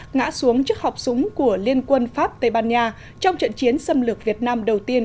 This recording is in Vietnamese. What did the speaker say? ngã xuống trước họp súng của liên quân pháp tây ban nha trong trận chiến xâm lược việt nam đầu tiên